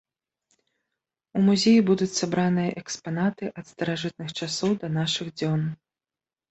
У музеі будуць сабраныя экспанаты ад старажытных часоў да нашых дзён.